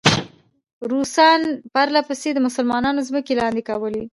روسان پرله پسې د مسلمانانو ځمکې لاندې کولې.